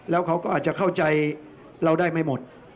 แล้วเขาก็อาจจะเข้าใจเราได้ไม่หมด